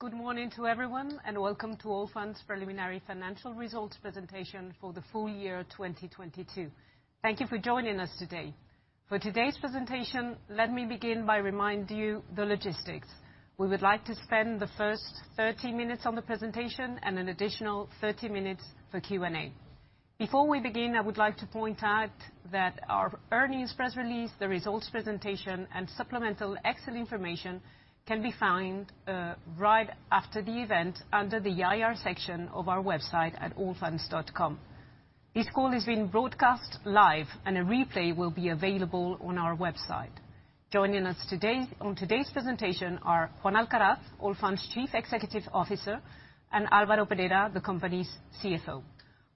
Good morning to everyone and welcome to Allfunds preliminary financial results presentation for the full year 2022. Thank you for joining us today. For today's presentation, let me begin by remind you the logistics. We would like to spend the first 30 minutes on the presentation and an additional 30 minutes for Q&A. Before we begin, I would like to point out that our earnings press release, the results presentation, and supplemental Excel information can be found right after the event under the IR section of our website at allfunds.com. This call is being broadcast live, and a replay will be available on our website. Joining us on today's presentation are Juan Alcaraz, Allfunds Chief Executive Officer, and Álvaro Perera, the company's CFO.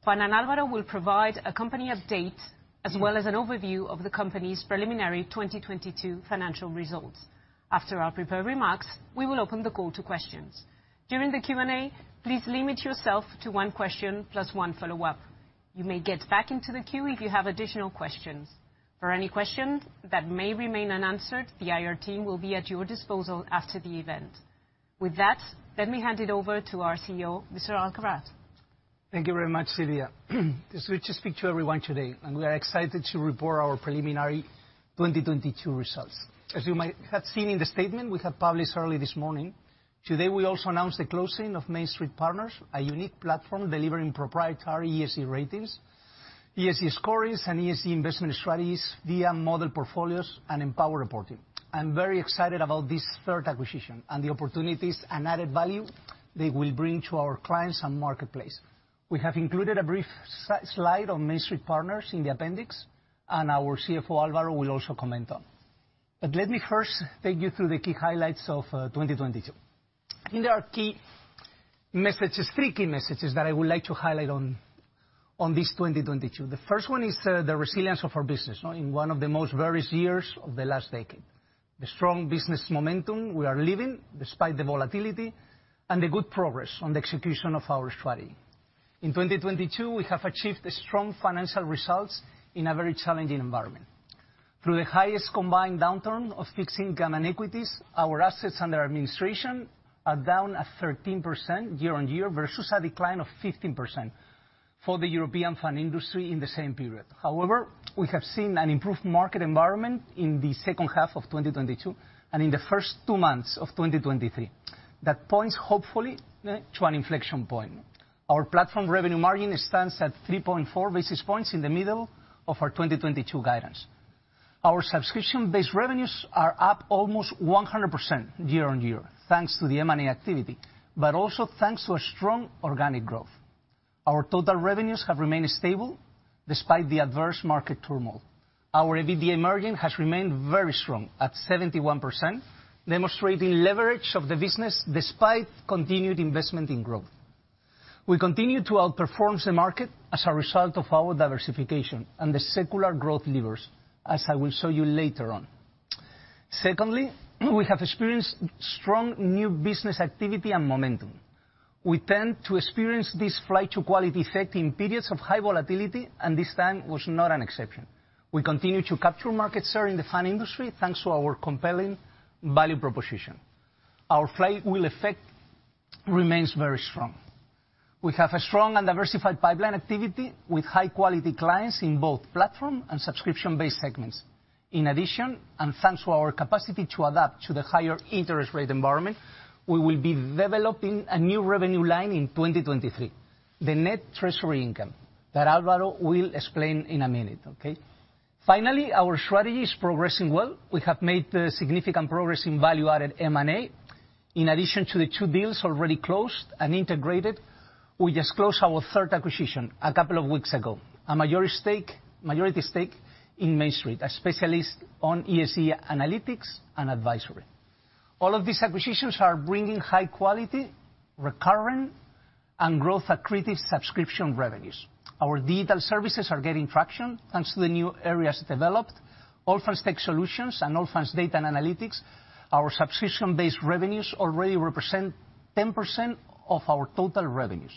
Juan and Álvaro will provide a company update as well as an overview of the company's preliminary 2022 financial results. After our prepared remarks, we will open the call to questions. During the Q&A, please limit yourself to one question plus one follow-up. You may get back into the queue if you have additional questions. For any questions that may remain unanswered, the IR team will be at your disposal after the event. With that, let me hand it over to our CEO, Mr. Alcaraz. Thank you very much, Silvia. It's a pleasure to speak to everyone today. We are excited to report our preliminary 2022 results. As you might have seen in the statement we have published early this morning, today we also announced the closing of MainStreet Partners, a unique platform delivering proprietary ESG ratings, ESG scores, and ESG investment strategies via model portfolios and empower reporting. I'm very excited about this 3rd acquisition and the opportunities and added value they will bring to our clients and marketplace. We have included a brief slide on MainStreet Partners in the appendix, and our CFO, Álvaro, will also comment on. Let me first take you through the key highlights of 2022. I think there are key messages, 3 key messages that I would like to highlight on this 2022. The first one is, the resilience of our business, in one of the most various years of the last decade. The strong business momentum we are living despite the volatility and the good progress on the execution of our strategy. In 2022, we have achieved strong financial results in a very challenging environment. Through the highest combined downturn of fixed income and equities, our assets under administration are down at 13% year-on-year versus a decline of 15% for the European fund industry in the same period. However, we have seen an improved market environment in the second half of 2022 and in the first two months of 2023 that points, hopefully, to an inflection point. Our platform revenue margin stands at 3.4 basis points in the middle of our 2022 guidance. Our subscription-based revenues are up almost 100% year-on-year, thanks to the M&A activity, but also thanks to a strong organic growth. Our total revenues have remained stable despite the adverse market turmoil. Our EBITDA margin has remained very strong at 71%, demonstrating leverage of the business despite continued investment in growth. We continue to outperform the market as a result of our diversification and the secular growth levers, as I will show you later on. Secondly, we have experienced strong new business activity and momentum. We tend to experience this flight to quality effect in periods of high volatility, and this time was not an exception. We continue to capture market share in the fund industry, thanks to our compelling value proposition. Our flywheel effect remains very strong. We have a strong and diversified pipeline activity with high-quality clients in both platform and subscription-based segments. In addition, thanks to our capacity to adapt to the higher interest rate environment, we will be developing a new revenue line in 2023, the net treasury income that Álvaro will explain in a minute. Okay? Finally, our strategy is progressing well. We have made significant progress in value-added M&A. In addition to the 2 deals already closed and integrated, we just closed our third acquisition a couple of weeks ago, a majority stake in MainStreet, a specialist on ESG analytics and advisory. All of these acquisitions are bringing high quality, recurring, and growth-accretive subscription revenues. Our digital services are getting traction, thanks to the new areas developed, Allfunds Tech Solutions and Allfunds Data and Analytics. Our subscription-based revenues already represent 10% of our total revenues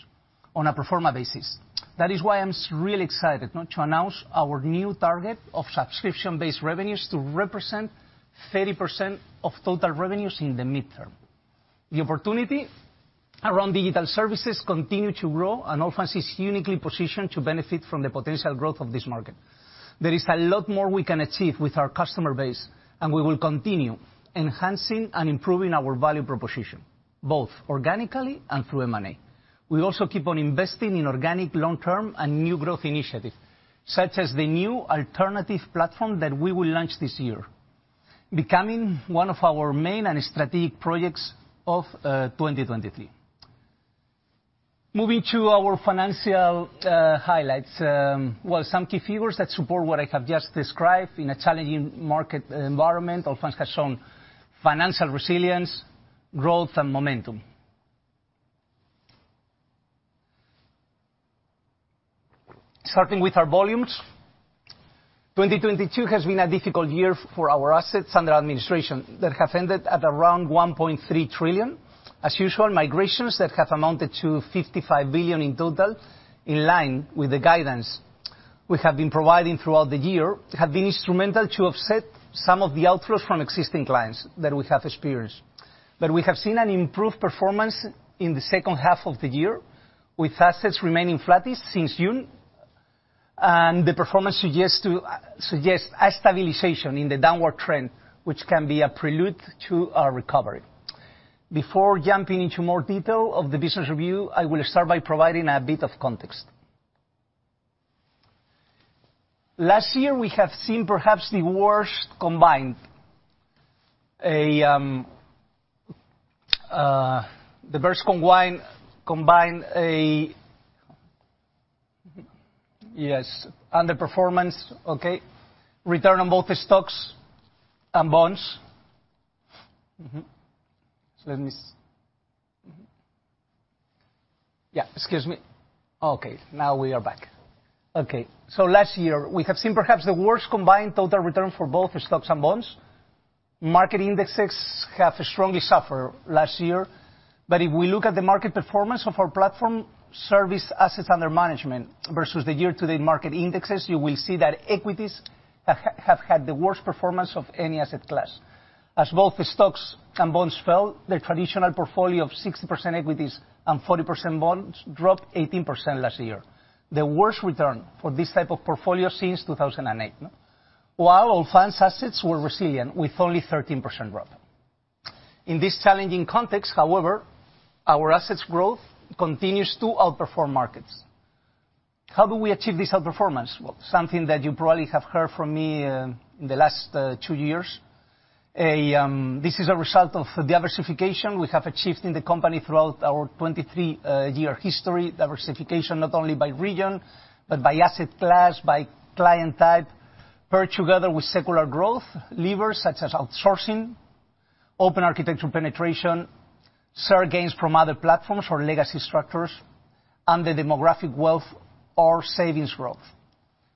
on a pro forma basis. That is why I'm really excited now to announce our new target of subscription-based revenues to represent 30% of total revenues in the midterm. The opportunity around digital services continue to grow, and Allfunds is uniquely positioned to benefit from the potential growth of this market. There is a lot more we can achieve with our customer base, and we will continue enhancing and improving our value proposition, both organically and through M&A. We also keep on investing in organic long-term and new growth initiatives, such as the new alternative platform that we will launch this year, becoming one of our main and strategic projects of 2023. Moving to our financial highlights. Well, some key figures that support what I have just described in a challenging market environment, Allfunds has shown financial resilience, growth, and momentum. Starting with our volumes, 2022 has been a difficult year for our assets under administration that have ended at around 1.3 trillion. As usual, migrations that have amounted to 55 billion in total, in line with the guidance we have been providing throughout the year have been instrumental to offset some of the outflows from existing clients that we have experienced. We have seen an improved performance in the second half of the year, with assets remaining flattish since June. The performance suggests a stabilization in the downward trend, which can be a prelude to our recovery. Before jumping into more detail of the business review, I will start by providing a bit of context. Last year, we have seen perhaps the worst combined underperformance. Return on both the stocks and bonds. Yeah, excuse me. Okay, now we are back. Okay. Last year, we have seen perhaps the worst combined total return for both stocks and bonds. Market indexes have strongly suffered last year, if we look at the market performance of our platform service assets under management versus the year-to-date market indexes, you will see that equities have had the worst performance of any asset class. As both the stocks and bonds fell, the traditional portfolio of 60% equities and 40% bonds dropped 18% last year, the worst return for this type of portfolio since 2008, no? Allfunds assets were resilient, with only 13% drop. In this challenging context, however, our assets growth continues to outperform markets. How do we achieve this outperformance? Well, something that you probably have heard from me, in the last, 2 years. This is a result of the diversification we have achieved in the company throughout our 23 year history. Diversification not only by region, but by asset class, by client type, paired together with secular growth levers such as outsourcing, open architecture penetration, share gains from other platforms or legacy structures, and the demographic wealth or savings growth.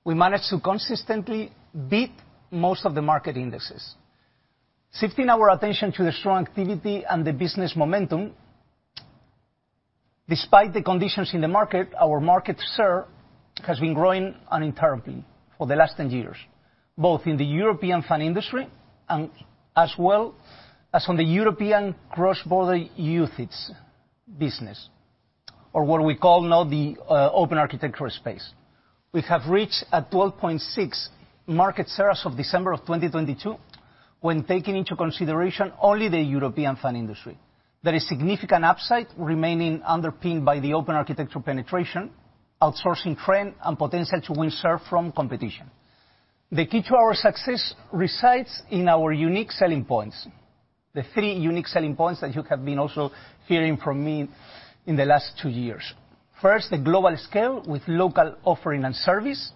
We managed to consistently beat most of the market indexes. Sifting our attention to the strong activity and the business momentum, despite the conditions in the market, our market share has been growing uninterruptedly for the last 10 years, both in the European fund industry and as well as on the European cross-border UCITS business, or what we call now the open architectural space. We have reached a 12.6 market shares of December 2022 when taking into consideration only the European fund industry. There is significant upside remaining underpinned by the open architecture penetration, outsourcing trend, and potential to win share from competition. The key to our success resides in our unique selling points, the three unique selling points that you have been also hearing from me in the last two years. First, the global scale with local offering and service.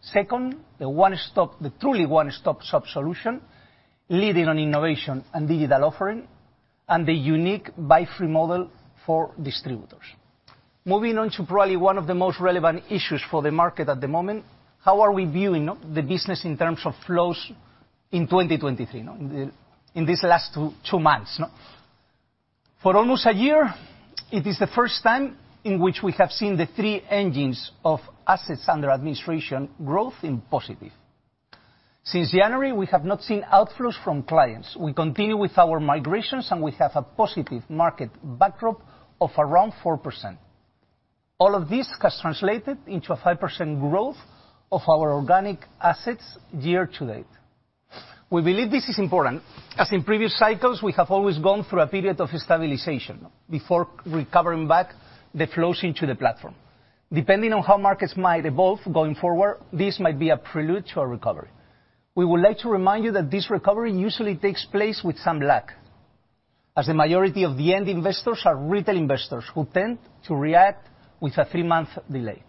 Second, the truly one-stop shop solution, leading on innovation and digital offering, and the unique buy free model for distributors. Moving on to probably one of the most relevant issues for the market at the moment, how are we viewing the business in terms of flows in 2023, no? In these last two months, no? For almost a year, it is the first time in which we have seen the three engines of assets under administration growth in positive. Since January, we have not seen outflows from clients. We continue with our migrations, and we have a positive market backdrop of around 4%. All of this has translated into a 5% growth of our organic assets year to date. We believe this is important, as in previous cycles we have always gone through a period of stabilization before recovering back the flows into the platform. Depending on how markets might evolve going forward, this might be a prelude to a recovery. We would like to remind you that this recovery usually takes place with some lag, as the majority of the end investors are retail investors who tend to react with a 3-month delay.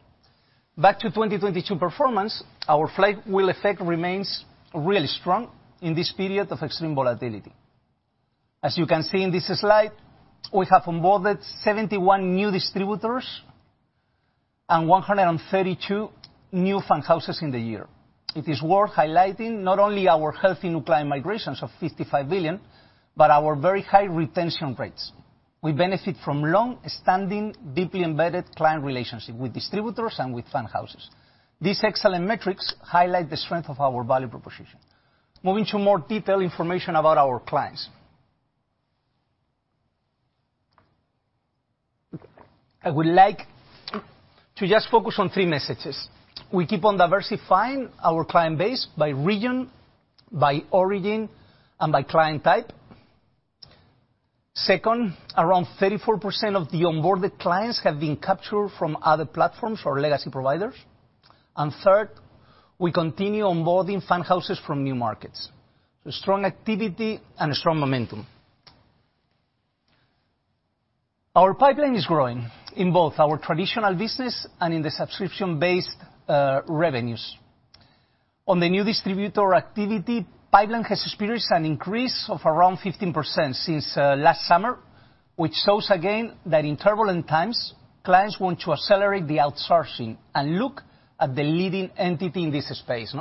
Back to 2022 performance, our flywheel effect remains really strong in this period of extreme volatility. As you can see in this slide, we have onboarded 71 new distributors and 132 new fund houses in the year. It is worth highlighting not only our healthy new client migrations of 55 billion, but our very high retention rates. We benefit from long-standing, deeply embedded client relationships with distributors and with fund houses. These excellent metrics highlight the strength of our value proposition. Moving to more detailed information about our clients. I would like to just focus on three messages. We keep on diversifying our client base by region, by origin, and by client type. Second, around 34% of the onboarded clients have been captured from other platforms or legacy providers. Third, we continue onboarding fund houses from new markets. Strong activity and strong momentum. Our pipeline is growing in both our traditional business and in the subscription-based revenues. On the new distributor activity, pipeline has experienced an increase of around 15% since last summer, which shows again that in turbulent times, clients want to accelerate the outsourcing and look at the leading entity in this space.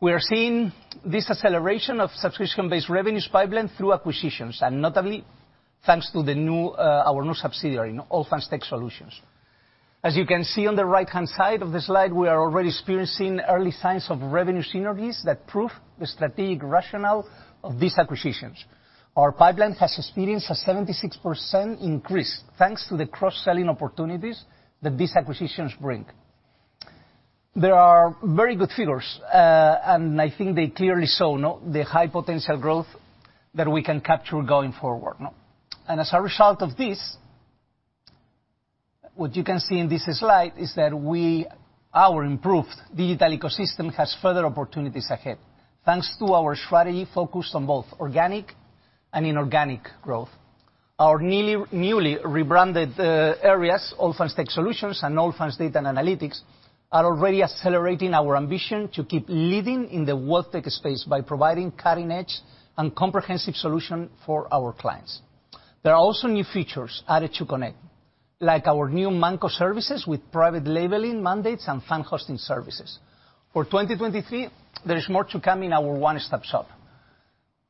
We are seeing this acceleration of subscription-based revenues pipeline through acquisitions, and notably, thanks to the new, our new subsidiary, Allfunds Tech Solutions. As you can see on the right-hand side of the slide, we are already experiencing early signs of revenue synergies that prove the strategic rationale of these acquisitions. Our pipeline has experienced a 76% increase, thanks to the cross-selling opportunities that these acquisitions bring. There are very good figures, and I think they clearly show the high potential growth that we can capture going forward. As a result of this, what you can see in this slide is that our improved digital ecosystem has further opportunities ahead, thanks to our strategy focused on both organic and inorganic growth. Our newly rebranded areas, Allfunds Tech Solutions and Allfunds Data Analytics, are already accelerating our ambition to keep leading in the WealthTech space by providing cutting-edge and comprehensive solution for our clients. There are also new features added to Connect, like our new MANCO services with private labeling mandates and fund hosting services. For 2023, there is more to come in our one-stop shop.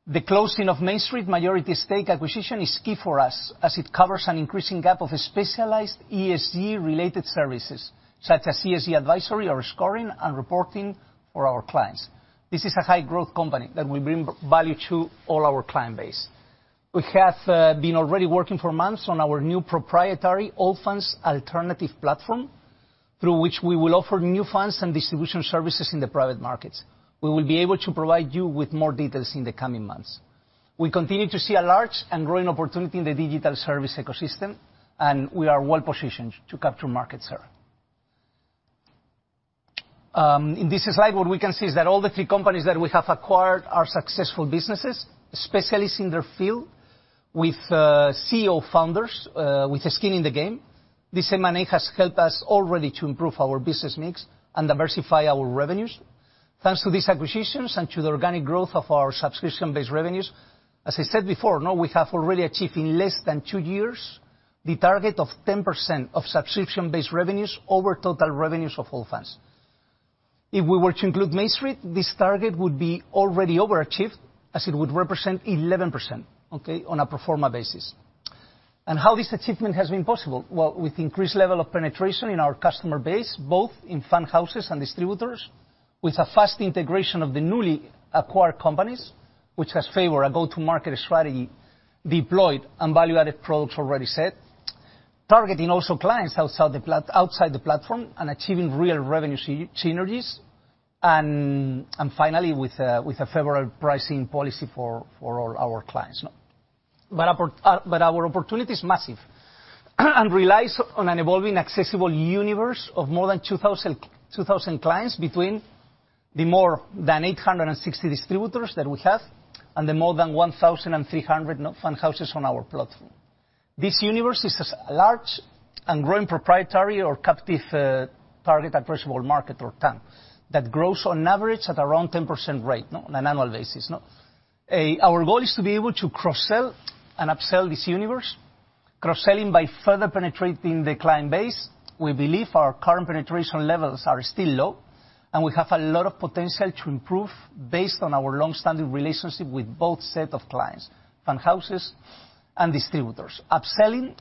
The closing of MainStreet majority stake acquisition is key for us, as it covers an increasing gap of specialized ESG-related services, such as ESG advisory or scoring and reporting for our clients. This is a high-growth company that will bring value to all our client base. We have been already working for months on our new proprietary Allfunds alternative platform, through which we will offer new funds and distribution services in the private markets. We will be able to provide you with more details in the coming months. We continue to see a large and growing opportunity in the digital service ecosystem, and we are well-positioned to capture market share. In this slide, what we can see is that all the three companies that we have acquired are successful businesses, specialists in their field, with CEO founders, with their skin in the game. This M&A has helped us already to improve our business mix and diversify our revenues. Thanks to these acquisitions and to the organic growth of our subscription-based revenues, as I said before, no, we have already achieved in less than two years the target of 10% of subscription-based revenues over total revenues of Allfunds. If we were to include MainStreet, this target would be already overachieved, as it would represent 11%, okay, on a pro forma basis. How this achievement has been possible? Well, with increased level of penetration in our customer base, both in fund houses and distributors, with a fast integration of the newly acquired companies, which has favored a go-to-market strategy deployed and value-added products already set. Targeting also clients outside the platform and achieving real revenue synergies. Finally, with a favorable pricing policy for all our clients. Our opportunity is massive, and relies on an evolving accessible universe of more than 2,000 clients between the more than 860 distributors that we have, and the more than 1,300 fund houses on our platform. This universe is a large and growing proprietary or captive target addressable market or TAM, that grows on average at around 10% rate on an annual basis. Our goal is to be able to cross-sell and upsell this universe. Cross-selling by further penetrating the client base. We believe our current penetration levels are still low, and we have a lot of potential to improve based on our long-standing relationship with both set of clients, fund houses and distributors. Upselling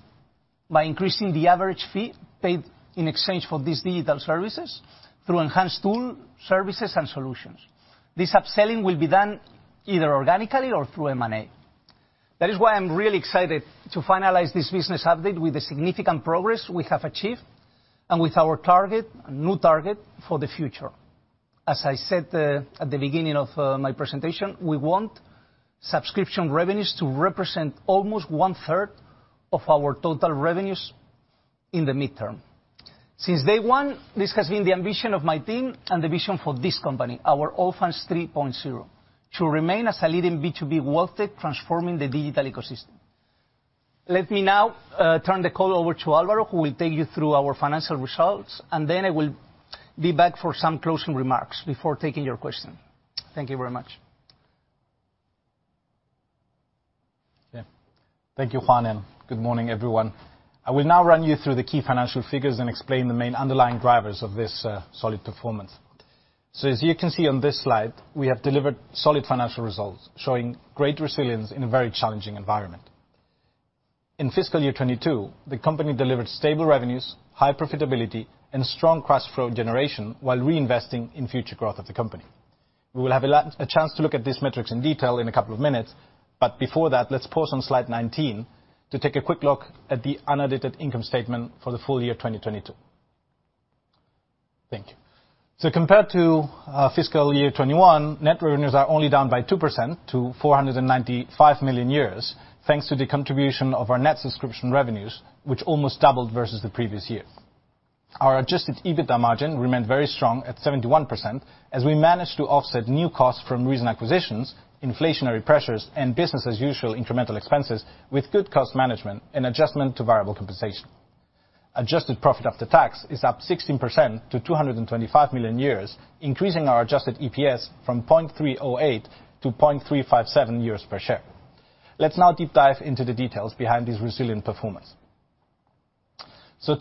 by increasing the average fee paid in exchange for these digital services through enhanced tool, services, and solutions. This upselling will be done either organically or through M&A. That is why I'm really excited to finalize this business update with the significant progress we have achieved, and with our target, new target for the future. As I said, at the beginning of my presentation, we want subscription revenues to represent almost one-third of our total revenues in the mid-term. Since day one, this has been the ambition of my team and the vision for this company, our Allfunds 3.0, to remain as a leading B2B WealthTech transforming the digital ecosystem. Let me now turn the call over to Álvaro, who will take you through our financial results, and then I will be back for some closing remarks before taking your question. Thank you very much. Yeah. Thank you, Juan, and good morning, everyone. I will now run you through the key financial figures and explain the main underlying drivers of this solid performance. As you can see on this slide, we have delivered solid financial results, showing great resilience in a very challenging environment. In fiscal year 2022, the company delivered stable revenues, high profitability, and strong cash flow generation while reinvesting in future growth of the company. We will have a chance to look at these metrics in detail in a couple of minutes, but before that, let's pause on slide 19 to take a quick look at the unedited income statement for the full year 2022. Thank you. Compared to fiscal year 2021, net revenues are only down by 2% to 495 million euros, thanks to the contribution of our net subscription revenues, which almost doubled versus the previous year. Our adjusted EBITDA margin remained very strong at 71%, as we managed to offset new costs from recent acquisitions, inflationary pressures, and business-as-usual incremental expenses with good cost management and adjustment to variable compensation. Adjusted profit after tax is up 16% to 225 million euros, increasing our adjusted EPS from 0.308 to 0.357 euros per share. Let's now deep dive into the details behind this resilient performance.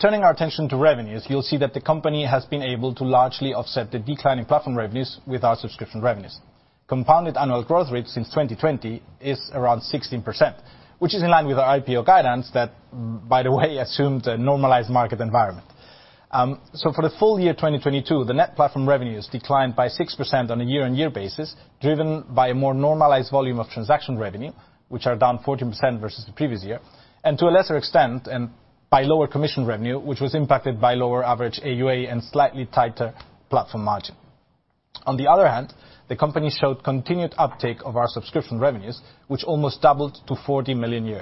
Turning our attention to revenues, you'll see that the company has been able to largely offset the decline in platform revenues with our subscription revenues. Compounded annual growth rate since 2020 is around 16%, which is in line with our IPO guidance that, by the way, assumed a normalized market environment. For the full year 2022, the net platform revenues declined by 6% on a year-on-year basis, driven by a more normalized volume of transaction revenue, which are down 14% versus the previous year, and to a lesser extent, by lower commission revenue, which was impacted by lower average AUA and slightly tighter platform margin. On the other hand, the company showed continued uptake of our subscription revenues, which almost doubled to 40 million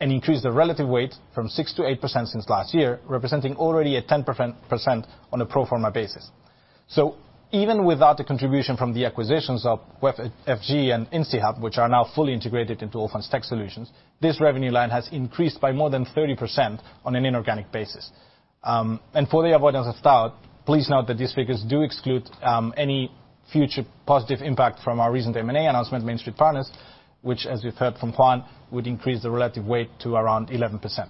and increased the relative weight from 6%-8% since last year, representing already a 10% on a pro forma basis. Even without the contribution from the acquisitions of WebFG and instiHub, which are now fully integrated into Allfunds Tech Solutions, this revenue line has increased by more than 30% on an inorganic basis. And for the avoidance of doubt, please note that these figures do exclude any future positive impact from our recent M&A announcement, MainStreet Partners, which, as you've heard from Juan, would increase the relative weight to around 11%.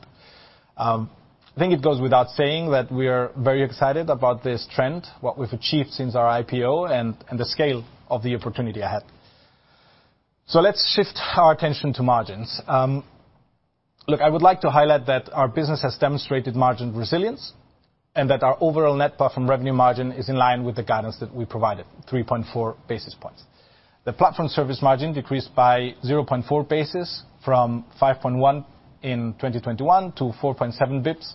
I think it goes without saying that we are very excited about this trend, what we've achieved since our IPO and the scale of the opportunity ahead. Let's shift our attention to margins. Look, I would like to highlight that our business has demonstrated margin resilience and that our overall net platform revenue margin is in line with the guidance that we provided, 3.4 basis points. The platform service margin decreased by 0.4 basis points from 5.1 in 2021 to 4.7 basis points.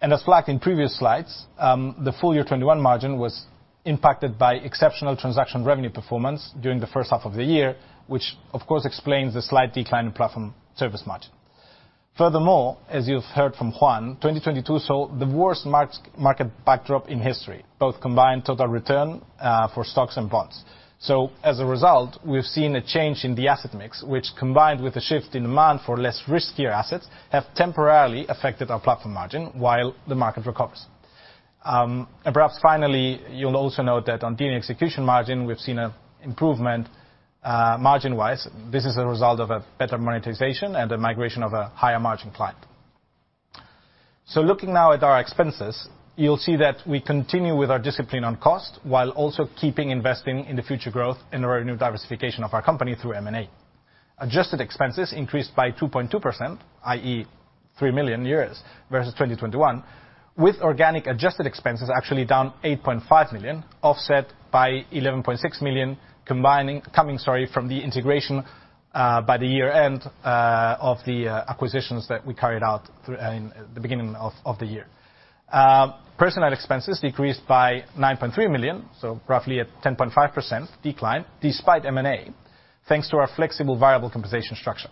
As flagged in previous slides, the full year 2021 margin was impacted by exceptional transaction revenue performance during the first half of the year, which of course explains the slight decline in platform service margin. Furthermore, as you've heard from Juan, 2022 saw the worst market backdrop in history, both combined total return for stocks and bonds. As a result, we've seen a change in the asset mix, which, combined with a shift in demand for less riskier assets, have temporarily affected our platform margin while the market recovers. Perhaps finally, you'll also note that on deal execution margin, we've seen an improvement margin-wise. This is a result of a better monetization and a migration of a higher margin client. Looking now at our expenses, you'll see that we continue with our discipline on cost while also keeping investing in the future growth and revenue diversification of our company through M&A. Adjusted expenses increased by 2.2%, i.e., 3 million versus 2021, with organic adjusted expenses actually down 8.5 million, offset by 11.6 million coming, sorry, from the integration by the year-end of the acquisitions that we carried out in the beginning of the year. Personnel expenses decreased by 9.3 million, roughly a 10.5% decline despite M&A, thanks to our flexible variable compensation structure.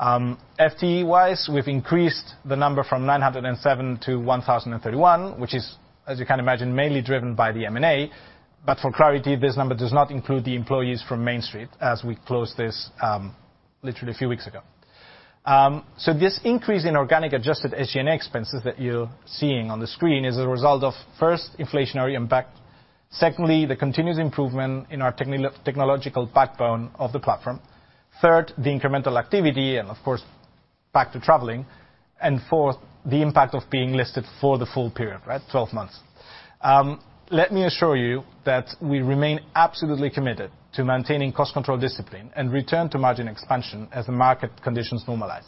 FTE-wise, we've increased the number from 907 to 1,031, which is, as you can imagine, mainly driven by the M&A. For clarity, this number does not include the employees from MainStreet as we closed this literally a few weeks ago. This increase in organic adjusted SGA expenses that you're seeing on the screen is a result of, first, inflationary impact, secondly, the continuous improvement in our technological backbone of the platform, third, the incremental activity, and of course back to traveling, and fourth, the impact of being listed for the full period, right? 12 months. Let me assure you that we remain absolutely committed to maintaining cost control discipline and return to margin expansion as the market conditions normalize.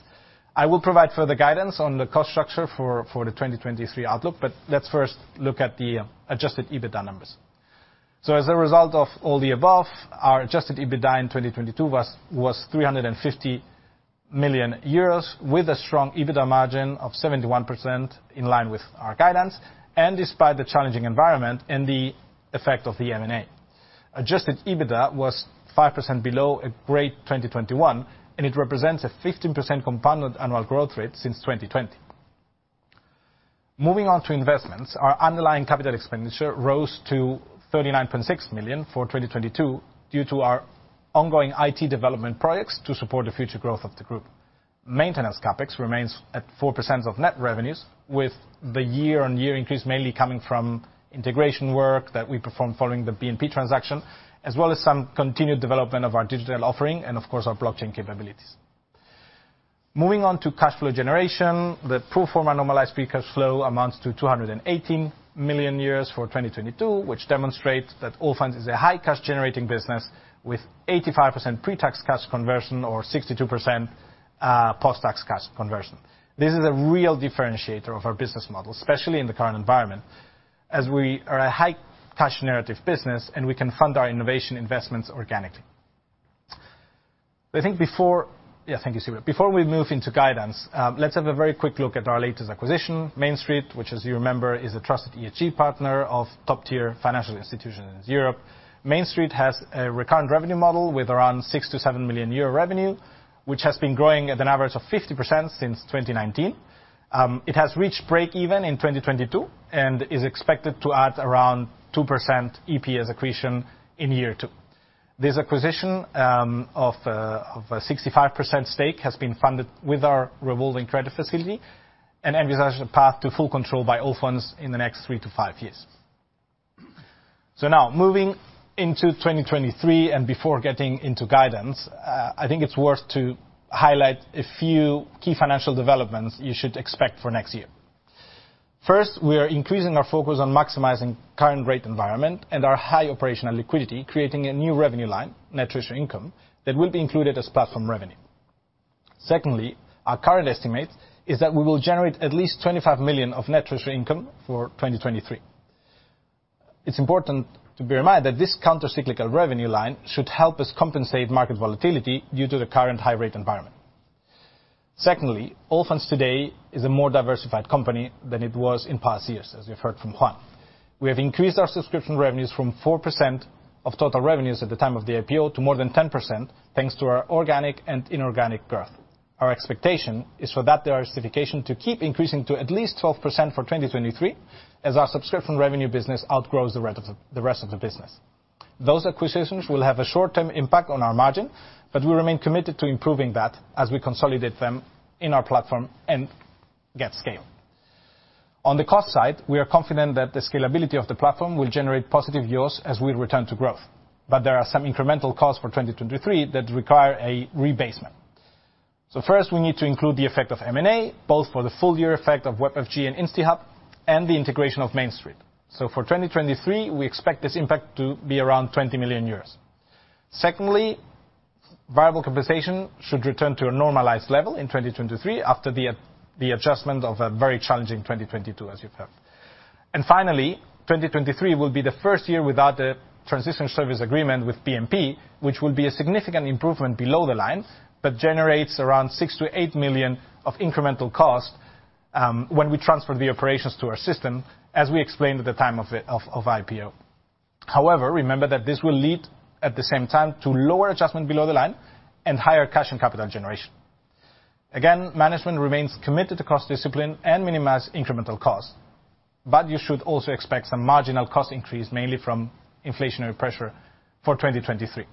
I will provide further guidance on the cost structure for the 2023 outlook. Let's first look at the adjusted EBITDA numbers. As a result of all the above, our adjusted EBITDA in 2022 was 350 million euros with a strong EBITDA margin of 71% in line with our guidance and despite the challenging environment and the effect of the M&A. Adjusted EBITDA was 5% below a great 2021. It represents a 15% compounded annual growth rate since 2020. Moving on to investments, our underlying capital expenditure rose to 39.6 million for 2022 due to our ongoing IT development projects to support the future growth of the group. Maintenance CapEx remains at 4% of net revenues, with the year-on-year increase mainly coming from integration work that we performed following the BNP transaction, as well as some continued development of our digital offering and, of course, our blockchain capabilities. Moving on to cash flow generation, the pro forma normalized free cash flow amounts to 280 million for 2022, which demonstrates that Allfunds is a high cash-generating business with 85% pre-tax cash conversion or 62% post-tax cash conversion. This is a real differentiator of our business model, especially in the current environment, as we are a high cash narrative business and we can fund our innovation investments organically. Yeah, thank you, Silvia. Before we move into guidance, let's have a very quick look at our latest acquisition, MainStreet, which as you remember, is a trusted ESG partner of top-tier financial institutions in Europe. MainStreet has a recurrent revenue model with around 6 million-7 million euro revenue, which has been growing at an average of 50% since 2019. It has reached break even in 2022 and is expected to add around 2% EPS accretion in year two. This acquisition, of a 65% stake has been funded with our revolving credit facility and envisages a path to full control by Allfunds in the next 3-5 years. Now moving into 2023 and before getting into guidance, I think it's worth to highlight a few key financial developments you should expect for next year. First, we are increasing our focus on maximizing current rate environment and our high operational liquidity, creating a new revenue line, net interest income, that will be included as platform revenue. Our current estimate is that we will generate at least 25 million of net interest income for 2023. It's important to bear in mind that this counter-cyclical revenue line should help us compensate market volatility due to the current high-rate environment. Allfunds today is a more diversified company than it was in past years, as you've heard from Juan. We have increased our subscription revenues from 4% of total revenues at the time of the IPO to more than 10%, thanks to our organic and inorganic growth. Our expectation is for that diversification to keep increasing to at least 12% for 2023, as our subscription revenue business outgrows the rest of the business. Those acquisitions will have a short-term impact on our margin, but we remain committed to improving that as we consolidate them in our platform and get scale. On the cost side, we are confident that the scalability of the platform will generate positive yields as we return to growth, but there are some incremental costs for 2023 that require a rebasement. First, we need to include the effect of M&A, both for the full year effect of WebFG and instiHub and the integration of MainStreet. For 2023, we expect this impact to be around 20 million euros. Secondly, variable compensation should return to a normalized level in 2023 after the adjustment of a very challenging 2022, as you've heard. Finally, 2023 will be the first year without a transition service agreement with BNP, which will be a significant improvement below the line, but generates around 6 million-8 million of incremental cost when we transfer the operations to our system, as we explained at the time of IPO. Remember that this will lead, at the same time, to lower adjustment below the line and higher cash and capital generation. Management remains committed to cost discipline and minimize incremental costs. You should also expect some marginal cost increase, mainly from inflationary pressure for 2023.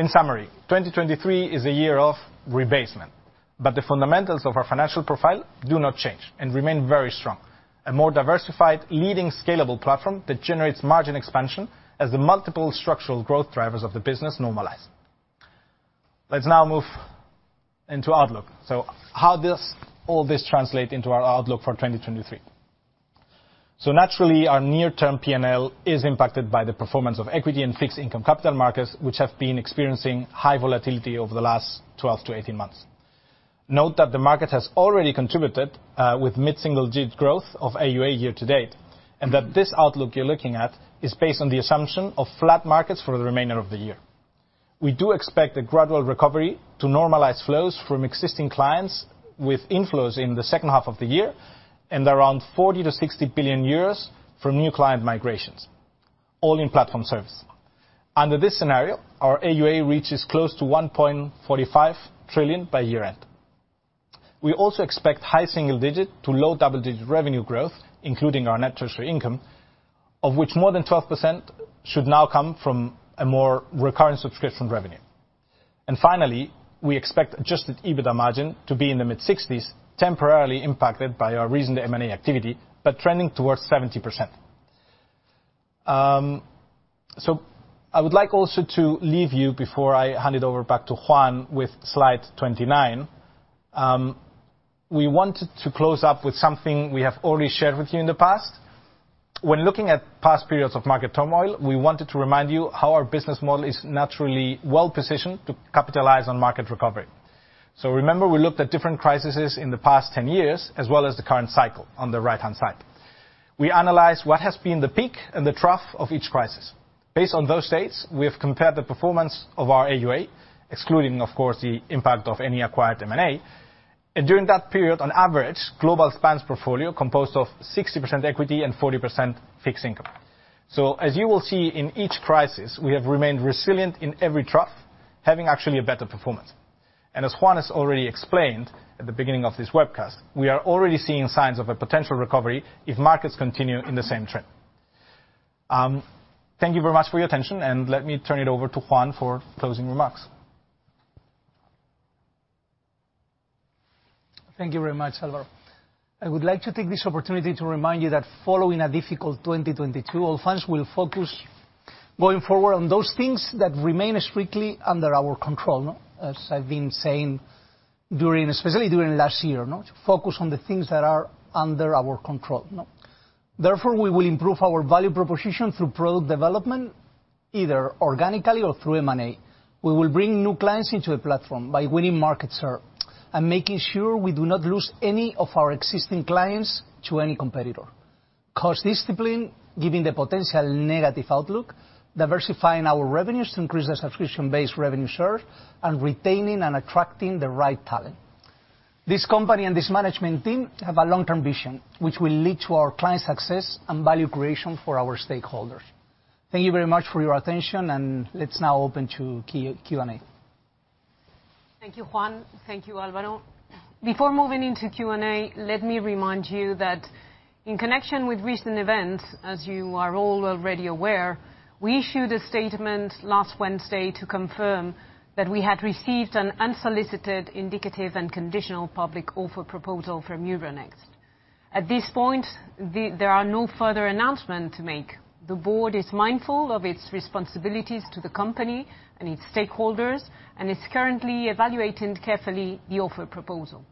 In summary, 2023 is a year of rebasement, but the fundamentals of our financial profile do not change and remain very strong. A more diversified, leading scalable platform that generates margin expansion as the multiple structural growth drivers of the business normalize. Let's now move into outlook. How does all this translate into our outlook for 2023? Naturally, our near-term P&L is impacted by the performance of equity and fixed income capital markets, which have been experiencing high volatility over the last 12-18 months. Note that the market has already contributed with mid-single-digit growth of AUA year to date, and that this outlook you're looking at is based on the assumption of flat markets for the remainder of the year. We do expect a gradual recovery to normalize flows from existing clients with inflows in the second half of the year and around 40 billion-60 billion euros from new client migrations, all in platform service. Under this scenario, our AUA reaches close to 1.45 trillion by year-end. We also expect high single digit to low double-digit revenue growth, including our net treasury income, of which more than 12% should now come from a more recurring subscription revenue. Finally, we expect adjusted EBITDA margin to be in the mid-60s, temporarily impacted by our recent M&A activity, but trending towards 70%. I would like also to leave you, before I hand it over back to Juan, with slide 29. We wanted to close up with something we have already shared with you in the past. When looking at past periods of market turmoil, we wanted to remind you how our business model is naturally well-positioned to capitalize on market recovery. Remember, we looked at different crises in the past 10 years as well as the current cycle on the right-hand side. We analyzed what has been the peak and the trough of each crisis. Based on those dates, we have compared the performance of our AUA, excluding, of course, the impact of any acquired M&A. During that period, on average, Global Span's portfolio composed of 60% equity and 40% fixed income. As you will see in each crisis, we have remained resilient in every trough, having actually a better performance. As Juan has already explained at the beginning of this webcast, we are already seeing signs of a potential recovery if markets continue in the same trend. Thank you very much for your attention, and let me turn it over to Juan for closing remarks. Thank you very much, Álvaro. I would like to take this opportunity to remind you that following a difficult 2022, Allfunds will focus going forward on those things that remain strictly under our control, no? As I've been saying during, especially during last year, no, to focus on the things that are under our control, no? Therefore, we will improve our value proposition through product development, either organically or through M&A. We will bring new clients into a platform by winning market share and making sure we do not lose any of our existing clients to any competitor. Cost discipline, given the potential negative outlook, diversifying our revenues to increase the subscription-based revenue share, and retaining and attracting the right talent. This company and this management team have a long-term vision, which will lead to our clients' success and value creation for our stakeholders. Thank you very much for your attention, let's now open to Q&A. Thank you, Juan. Thank you, Álvaro. Before moving into Q&A, let me remind you that in connection with recent events, as you are all already aware, we issued a statement last Wednesday to confirm that we had received an unsolicited indicative and conditional public offer proposal from Euronext. At this point, there are no further announcements to make. The board is mindful of its responsibilities to the company and its stakeholders, and is currently evaluating carefully the offer proposal.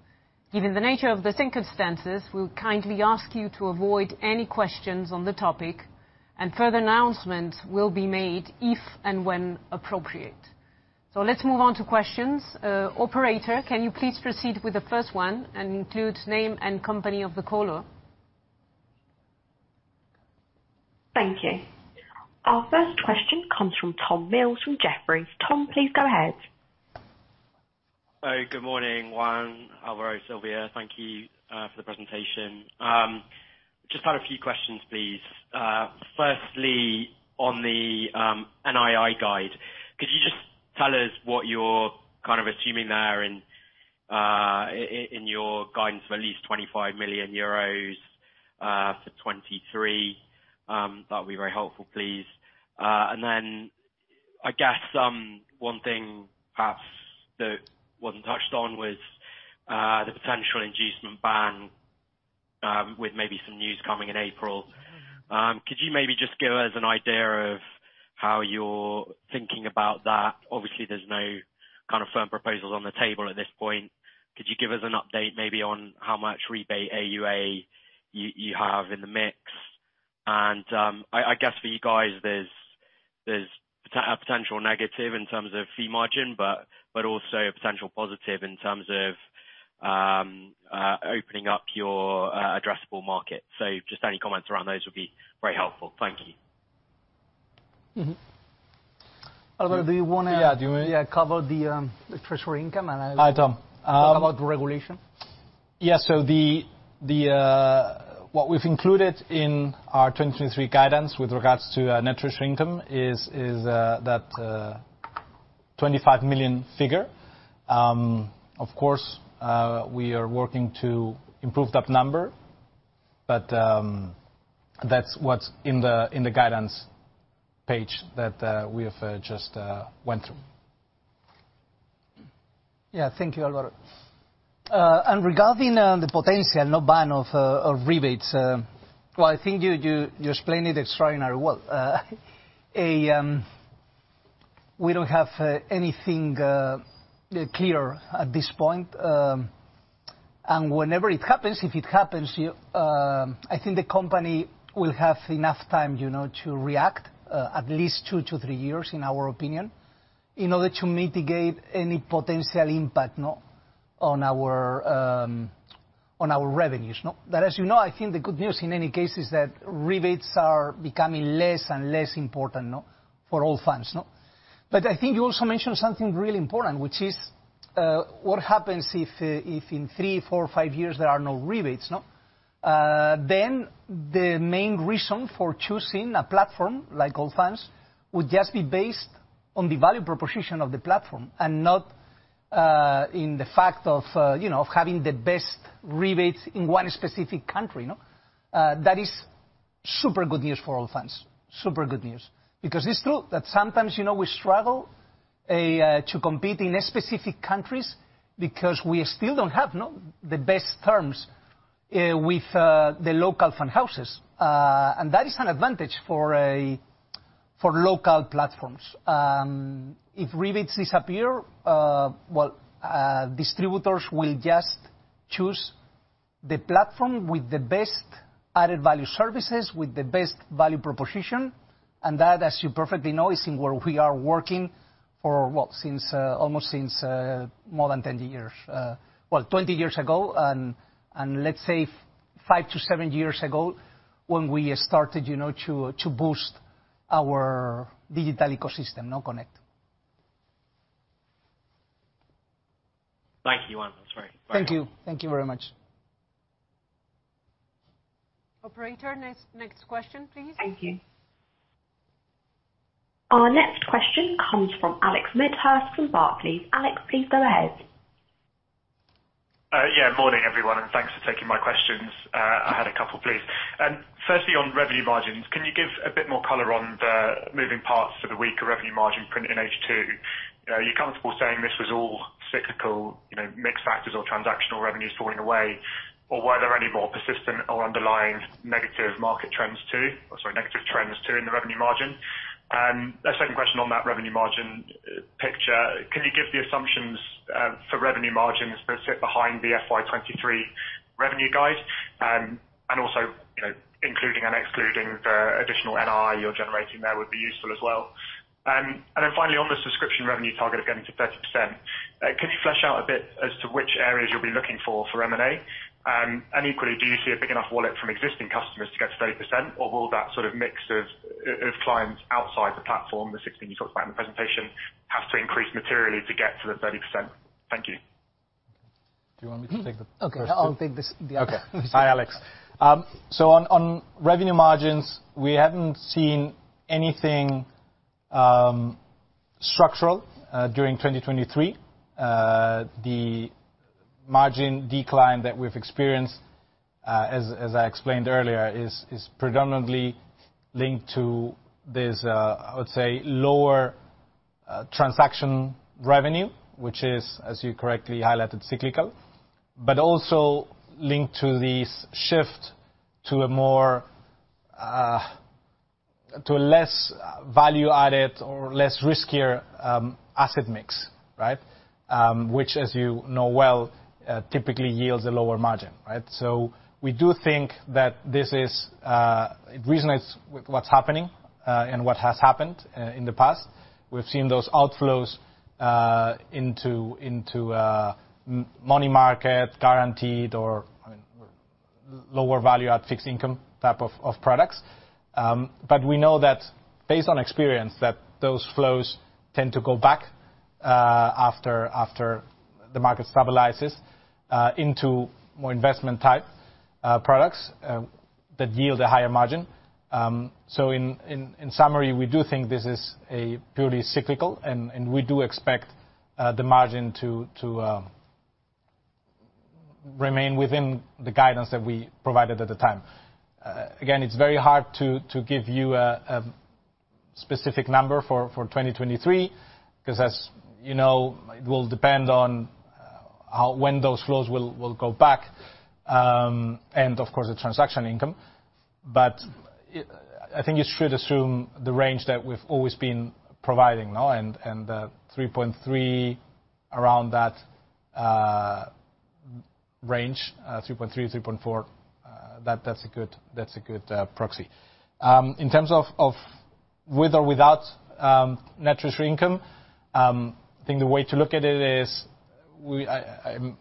Given the nature of the circumstances, we kindly ask you to avoid any questions on the topic, and further announcements will be made if and when appropriate. Let's move on to questions. Operator, can you please proceed with the first one and include name and company of the caller? Thank you. Our first question comes from Tom Mills with Jefferies. Tom, please go ahead. Good morning, Juan, Álvaro, Silvia. Thank you for the presentation. Just had a few questions, please. Firstly, on the NII guide, could you just tell us what you're kind of assuming there in your guidance of at least 25 million euros for 2023? That'll be very helpful, please. I guess, one thing perhaps that wasn't touched on was the potential inducement ban with maybe some news coming in April. Could you maybe just give us an idea of how you're thinking about that? Obviously, there's no kind of firm proposals on the table at this point. Could you give us an update maybe on how much rebate AUA you have in the mix? I guess for you guys, there's a potential negative in terms of fee margin, but also a potential positive in terms of opening up your addressable market. Just any comments around those would be very helpful. Thank you. Mm-hmm. Álvaro, do you? Yeah, do you? Yeah, cover the treasury income. I don't. Talk about the regulation. The what we've included in our 2023 guidance with regards to net treasury income is that 25 million figure. Of course, we are working to improve that number, but that's what's in the guidance page that we have just went through. Yeah. Thank you, Álvaro. Regarding the potential no ban of rebates, well, I think you explained it extraordinary well. We don't have anything clear at this point. Whenever it happens, if it happens, I think the company will have enough time, you know, to react, at least 2-3 years, in our opinion, in order to mitigate any potential impact, no, on our revenues, no? As you know, I think the good news in any case is that rebates are becoming less and less important, no, for Allfunds, no? I think you also mentioned something really important, which is what happens if in 3, 4, 5 years there are no rebates, no? The main reason for choosing a platform like Allfunds would just be based on the value proposition of the platform and not in the fact of, you know, having the best rebates in one specific country, no? That is super good news for Allfunds. Super good news. It's true that sometimes, you know, we struggle to compete in specific countries because we still don't have, no, the best terms with the local fund houses. That is an advantage for local platforms. If rebates disappear, well, distributors will just choose the platform with the best added value services, with the best value proposition, and that, as you perfectly know, is in where we are working for what? Since almost since more than 10 years. Well, 20 years ago, let's say 5 to 7 years ago, when we started, you know, to boost our digital ecosystem, no Connect. Thank you. Well, that's very helpful. Thank you. Thank you very much. Operator, next question, please. Thank you. Our next question comes from Alex Scott from Barclays. Alex, please go ahead. Yeah, morning, everyone, and thanks for taking my questions. I had a couple, please. Firstly, on revenue margins, can you give a bit more color on the moving parts for the weaker revenue margin print in H2? Are you comfortable saying this was all cyclical, you know, mixed factors or transactional revenues falling away? Were there any more persistent or underlying negative market trends, too? Sorry, negative trends, too, in the revenue margin? A second question on that revenue margin, picture. Can you give the assumptions for revenue margins that sit behind the FY 2023 revenue guide? Also, you know, including and excluding the additional NI you're generating there would be useful as well. Then finally, on the subscription revenue target of getting to 30%, can you flesh out a bit as to which areas you'll be looking for for M&A? Equally, do you see a big enough wallet from existing customers to get to 30%? Or will that sort of mix of clients outside the platform, the 16 you talked about in the presentation, have to increase materially to get to the 30%? Thank you. Do you want me to take the first two? Okay, I'll take this, the other. Hi, Alex. On revenue margins, we haven't seen anything structural during 2023. The margin decline that we've experienced as I explained earlier is predominantly linked to this I would say, lower transaction revenue, which is, as you correctly highlighted, cyclical, but also linked to the shift to a more to a less value-added or less riskier asset mix, right? Which as you know well, typically yields a lower margin, right? We do think that this resonates with what's happening and what has happened in the past. We've seen those outflows into money market, guaranteed or, I mean, lower value at fixed income type of products. We know that based on experience, that those flows tend to go back after the market stabilizes into more investment-type products that yield a higher margin. In summary, we do think this is a purely cyclical, and we do expect the margin to remain within the guidance that we provided at the time. Again, it's very hard to give you a specific number for 2023 'cause as you know, it will depend on when those flows will go back, and of course the transaction income. I think you should assume the range that we've always been providing, no, and 3.3%, around that range, 3.3%-3.4%, that's a good proxy. In terms of with or without net interest income, I think the way to look at it is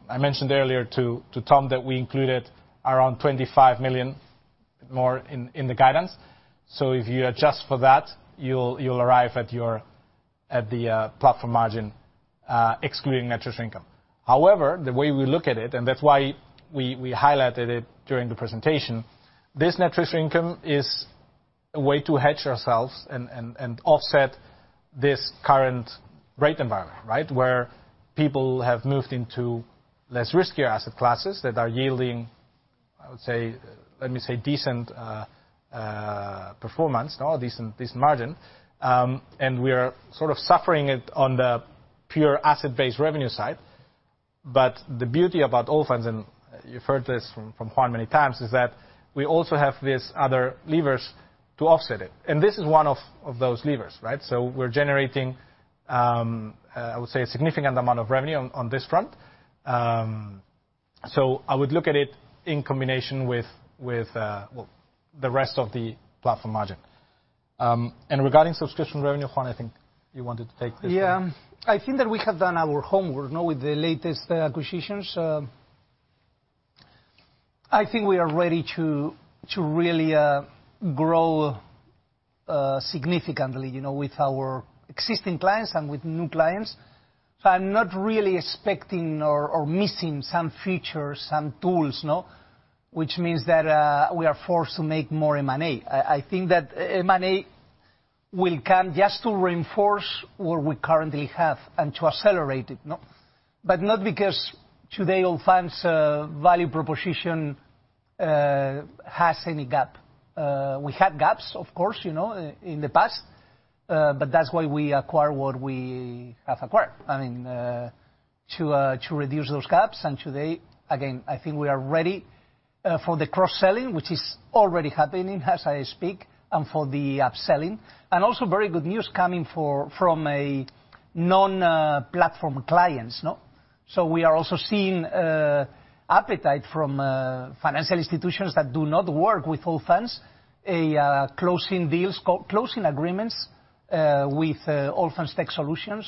I mentioned earlier to Tom that we included around 25 million more in the guidance. If you adjust for that, you'll arrive at your at the platform margin, excluding net interest income. The way we look at it, and that's why we highlighted it during the presentation, this net interest income is a way to hedge ourselves and offset this current rate environment, right? Where people have moved into less riskier asset classes that are yielding, I would say, let me say decent performance, no, decent margin. We're sort of suffering it on the pure asset-based revenue side. The beauty about Allfunds, and you've heard this from Juan many times, is that we also have these other levers to offset it. This is one of those levers, right? We're generating, I would say a significant amount of revenue on this front. I would look at it in combination with, well, the rest of the platform margin. Regarding subscription revenue, Juan, I think you wanted to take this one. I think that we have done our homework, no, with the latest acquisitions. I think we are ready to really grow significantly, you know, with our existing clients and with new clients. I'm not really expecting or missing some features, some tools, no? Which means that we are forced to make more M&A. I think that M&A will come just to reinforce what we currently have and to accelerate it, no? Not because today Allfunds' value proposition has any gap. We had gaps, of course, you know, in the past, but that's why we acquired what we have acquired, I mean, to reduce those gaps. Today, again, I think we are ready for the cross-selling, which is already happening as I speak, and for the upselling. Also very good news coming from a non platform clients, no? We are also seeing appetite from financial institutions that do not work with Allfunds, closing deals, closing agreements with Allfunds Tech Solutions,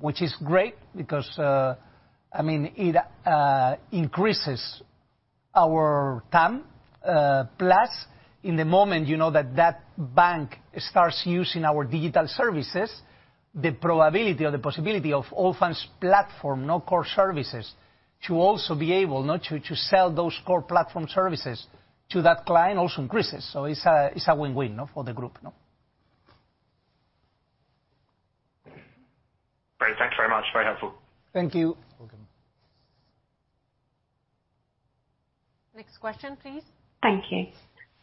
which is great because I mean, it increases our TAM. In the moment you know that that bank starts using our digital services, the probability or the possibility of Allfunds platform, no core services, to also be able to sell those core platform services to that client also increases. It's a, it's a win-win, no, for the group, no? Great. Thanks very much. Very helpful. Thank you. Welcome. Next question, please. Thank you.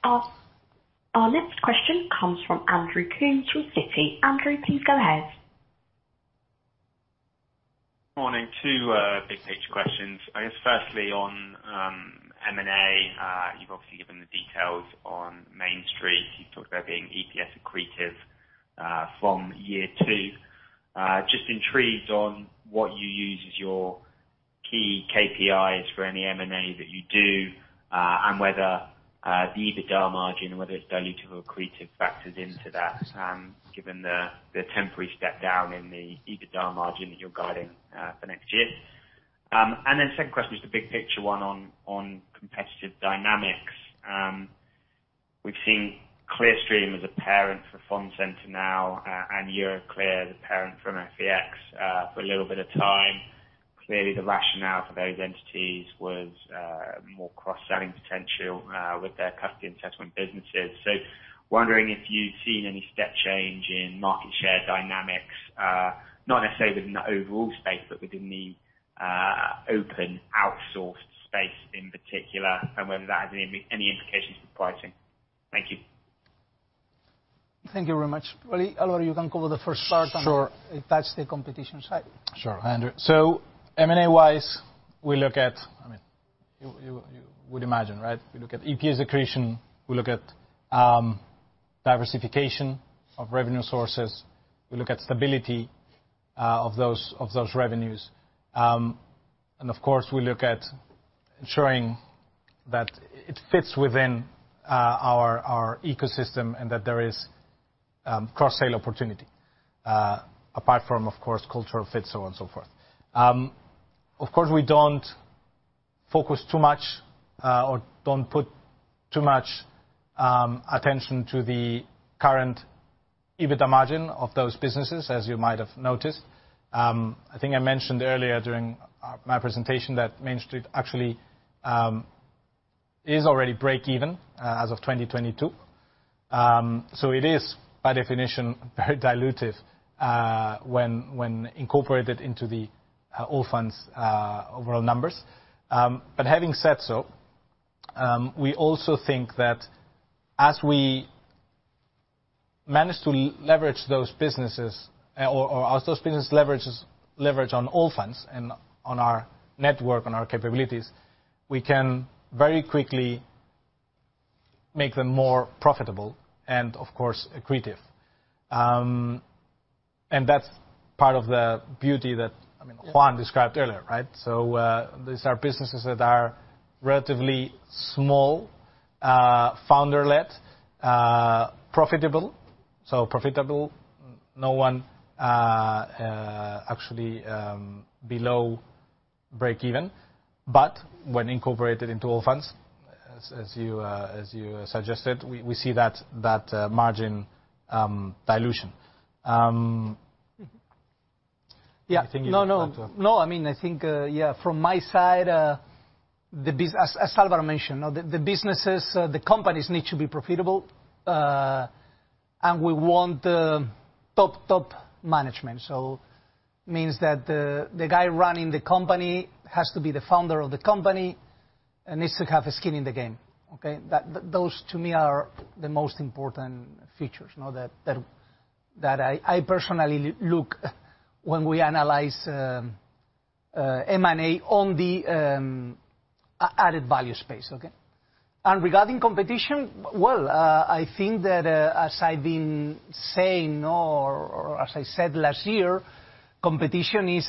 Our next question comes from Andrew Coombs with Citigroup. Andrew, please go ahead. Morning. Two big-picture questions. I guess firstly on M&A, you've obviously given the details on MainStreet Partners. You talked about being EPS accretive from year 2. Just intrigued on what you use as your key KPIs for any M&A that you do, and whether the EBITDA margin, whether it's dilutive or accretive factors into that, given the temporary step down in the EBITDA margin that you're guiding for next year. Then second question is the big picture one on competitive dynamics. We've seen Clearstream as a parent for Fund Center now, and Euroclear, the parent from MFEX, for a little bit of time. Clearly, the rationale for those entities was more cross-selling potential with their custody and settlement businesses. Wondering if you've seen any step change in market share dynamics, not necessarily within the overall space, but within the open outsourced space in particular, and whether that has any implications for pricing. Thank you. Thank you very much. Well, Álvaro, you can cover the first part. Sure. That's the competition side. Sure. M&A wise, we look at. I mean, you would imagine, right? We look at EPS accretion, we look at diversification of revenue sources, we look at stability of those revenues. Of course, we look at ensuring that it fits within our ecosystem and that there is cross-sale opportunity, apart from, of course, cultural fit, so on and so forth. Of course, we don't focus too much or don't put too much attention to the current EBITDA margin of those businesses, as you might have noticed. I think I mentioned earlier during my presentation that MainStreet actually is already break even as of 2022. So it is by definition very dilutive when incorporated into the Allfunds overall numbers. Having said so, we also think that as we manage to leverage those businesses or as those businesses leverage on Allfunds and on our network and our capabilities, we can very quickly make them more profitable and of course, accretive. That's part of the beauty that, I mean. Yeah. Juan described earlier, right? These are businesses that are relatively small, founder-led, profitable. So profitable. No one, actually, below break even. When incorporated into Allfunds, as you suggested, we see that margin dilution. Mm-hmm. Anything you'd like to- Yeah. No, no. No. I mean, I think, yeah, from my side, as Álvaro mentioned, you know, the businesses, the companies need to be profitable, and we want top management. Means that the guy running the company has to be the founder of the company and needs to have skin in the game. Okay? Those to me are the most important features, you know, that I personally look when we analyze M&A on the added value space. Okay? Regarding competition, well, I think that as I've been saying or as I said last year, competition is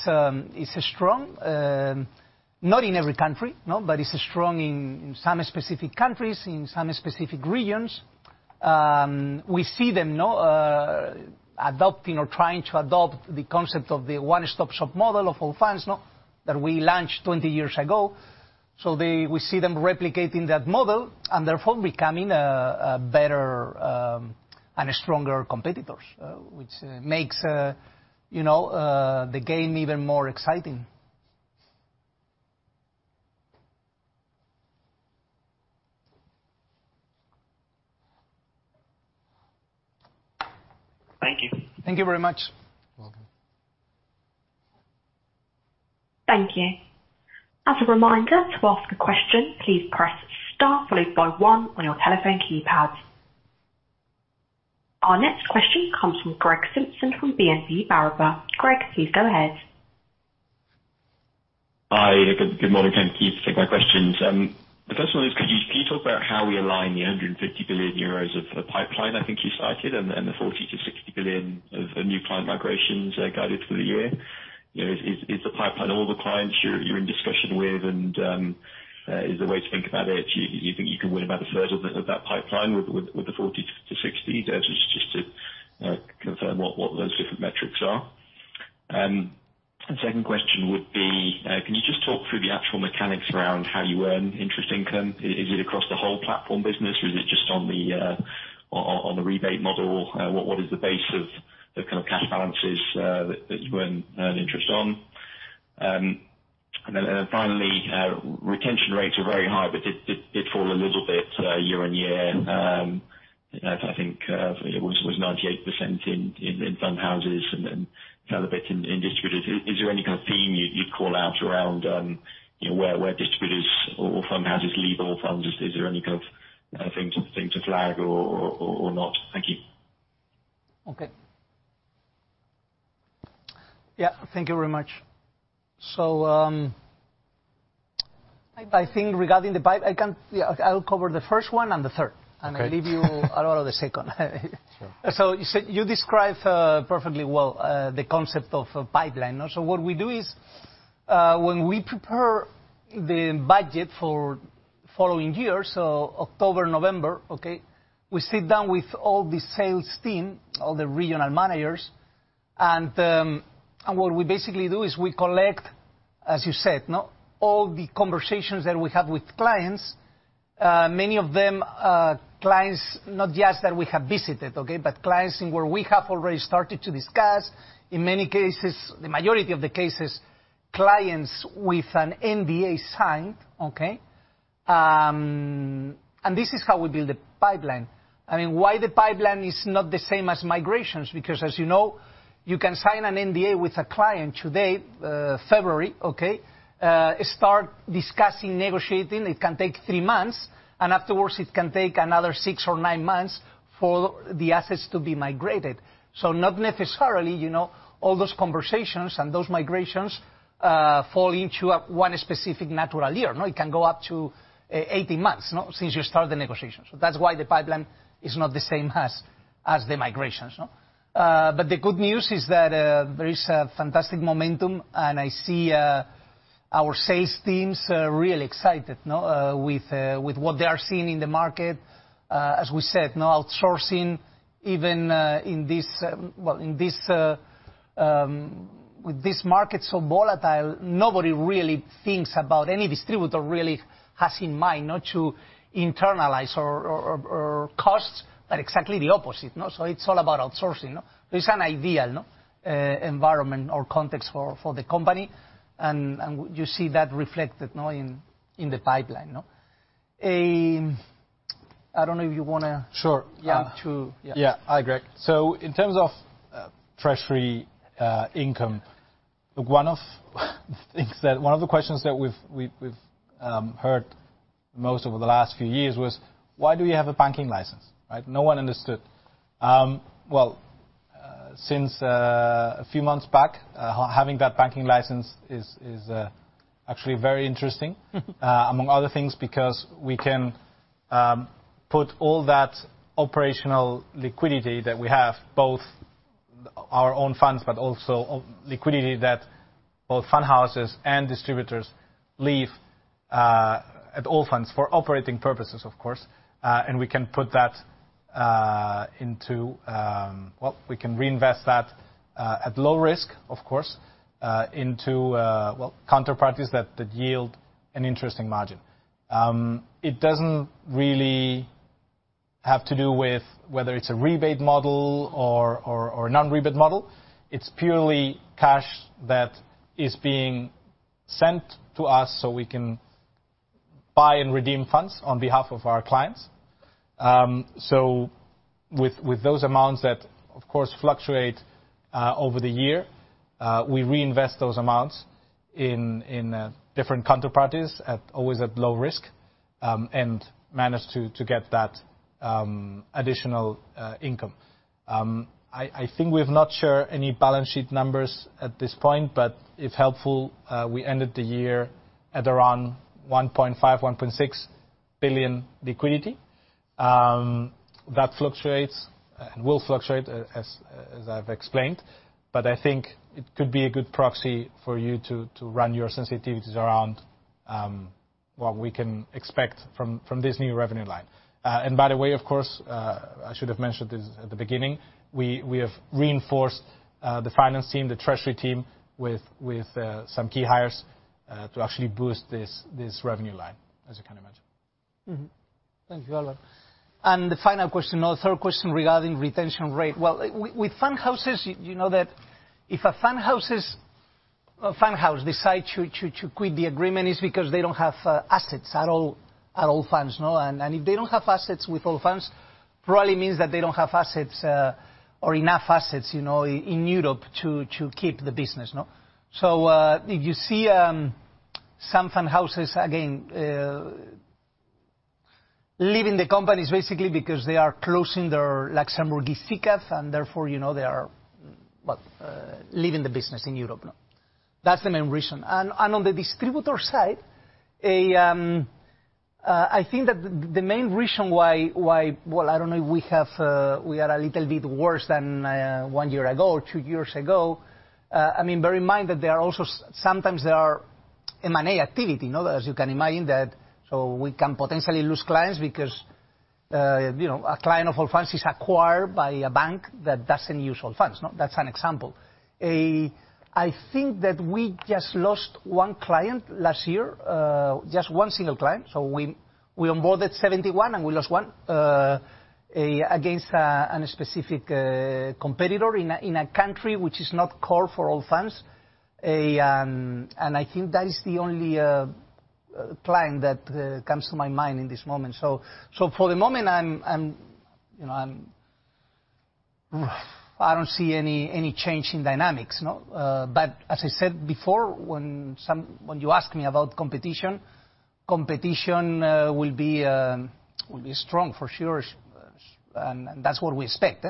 strong. Not in every country, no, but it's strong in some specific countries, in some specific regions. We see them now adopting or trying to adopt the concept of the one-stop shop model of Allfunds now that we launched 20 years ago. We see them replicating that model and therefore becoming a better and stronger competitors, which makes, you know, the game even more exciting. Thank you. Thank you very much. Welcome. Thank you. As a reminder, to ask a question, please press star followed by one on your telephone keypad. Our next question comes from Greg Simpson with BNP Paribas. Greg, please go ahead. Hi, good morning. Thank you. Thanks for taking my questions. The first one is, could you please talk about how we align the 150 billion euros of pipeline, I think you cited, and the 40 billion-60 billion of new client migrations, guided for the year? You know, is the pipeline all the clients you're in discussion with? Is the way to think about it, you think you can win about a third of that pipeline with the 40 billion-60 billion? Just to confirm what those different metrics are. The second question would be, can you just talk through the actual mechanics around how you earn interest income? Is it across the whole platform business, or is it just on the rebate model? What is the base of the kind of cash balances that you earn interest on? Then finally, retention rates are very high, but did fall a little bit year-on-year. I think it was 98% in fund houses and then another bit in distributors. Is there any kind of theme you'd call out around, you know, where distributors or fund houses leave Allfunds? Is there any kind of thing to flag or not? Thank you. Okay. Yeah. Thank you very much. I think regarding the pipe, I'll cover the first one and the third. Okay. I'll leave you, Álvaro, the second. Sure. You described perfectly well the concept of a pipeline. What we do is when we prepare the budget for following year, October, November, okay, we sit down with all the sales team, all the regional managers, and what we basically do is we collect, as you said, you know, all the conversations that we have with clients, many of them, clients, not just that we have visited, okay, but clients where we have already started to discuss, in many cases, the majority of the cases, clients with an NDA signed, okay? This is how we build the pipeline. I mean, why the pipeline is not the same as migrations, because as you know, you can sign an NDA with a client today, February, okay? Start discussing, negotiating. It can take 3 months, and afterwards it can take another 6 or 9 months for the assets to be migrated. Not necessarily, you know, all those conversations and those migrations fall into one specific natural year, no? It can go up to 18 months, no, since you start the negotiation. That's why the pipeline is not the same as the migrations, no? The good news is that there is a fantastic momentum, and I see our sales teams really excited, no, with what they are seeing in the market. As we said, no outsourcing, even in this, well, in this, with this market so volatile, nobody really thinks about any distributor really has in mind not to internalize or costs, but exactly the opposite, no? It's all about outsourcing. It's an ideal, no, environment or context for the company, and you see that reflected, no, in the pipeline, no? Sure. Yeah. Um. Yeah. Yeah. Hi, Greg. In terms of treasury income, one of the questions that we've heard most over the last few years was, "Why do you have a banking license?" Right? No one understood. Since a few months back, having that banking license is actually very interesting. Among other things, because we can put all that operational liquidity that we have, both our own funds, but also liquidity that both fund houses and distributors leave at Allfunds for operating purposes, of course, and we can put that into... We can reinvest that at low risk, of course, into well, counterparties that yield an interesting margin. It doesn't really have to do with whether it's a rebate model or non-rebate model. It's purely cash that is being sent to us so we can buy and redeem funds on behalf of our clients. With those amounts that of course fluctuate over the year, we reinvest those amounts in different counterparties always at low risk, and manage to get that additional income. I think we have not shared any balance sheet numbers at this point, but if helpful, we ended the year at around 1.5 billion-1.6 billion liquidity. That fluctuates and will fluctuate as I've explained, but I think it could be a good proxy for you to run your sensitivities around what we can expect from this new revenue line. By the way, of course, I should have mentioned this at the beginning, we have reinforced the finance team, the treasury team, with some key hires, to actually boost this revenue line, as you can imagine. Thank you, Álvaro. The final question, or third question regarding retention rate. Well, with fund houses, you know that if a fund house decide to quit the agreement, it's because they don't have assets at all, at Allfunds, no? If they don't have assets with Allfunds, probably means that they don't have assets or enough assets, you know, in Europe to keep the business, no? If you see some fund houses again leaving the companies basically because they are closing their Luxembourg deficits and therefore, you know, they are, well, leaving the business in Europe, no? That's the main reason. On the distributor side, I think that the main reason why... I don't know, we have, we are a little bit worse than 1 year ago or 2 years ago. I mean, bear in mind that there are also sometimes there are M&A activity, no? As you can imagine that, we can potentially lose clients because, you know, a client of Allfunds is acquired by a bank that doesn't use Allfunds, no? That's an example. I think that we just lost 1 client last year, just 1 single client. We onboarded 71 and we lost 1 against a specific competitor in a country which is not core for Allfunds. And I think that is the only client that comes to my mind in this moment. For the moment, I'm, you know, I'm... I don't see any change in dynamics, no? As I said before, when you asked me about competition will be strong for sure. That's what we expect.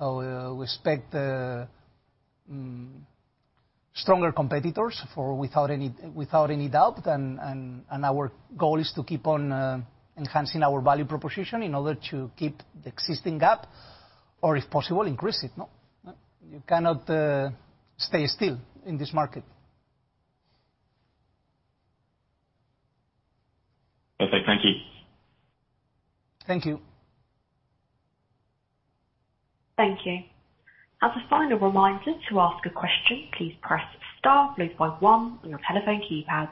We expect stronger competitors without any doubt. Our goal is to keep on enhancing our value proposition in order to keep the existing gap, or if possible, increase it, no? You cannot stay still in this market. Okay. Thank you. Thank you. Thank you. As a final reminder, to ask a question, please press star followed by one on your telephone keypad.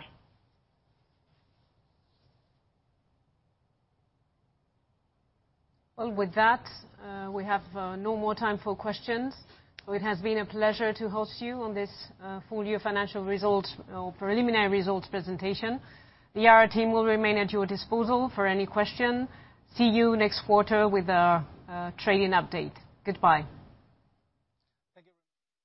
Well, with that, we have no more time for questions. It has been a pleasure to host you on this full-year financial result or preliminary results presentation. The IR team will remain at your disposal for any question. See you next quarter with our trading update. Goodbye. Thank you very much.